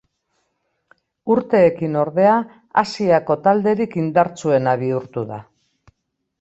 Urteekin ordea Asiako talderik indartsuena bihurtu da.